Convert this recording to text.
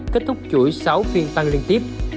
kết thúc chuỗi sáu phiên tăng liên tiếp